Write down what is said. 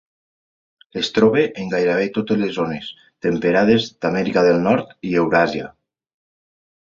Es troba en gairebé totes les zones temperades d'Amèrica del Nord i Euràsia.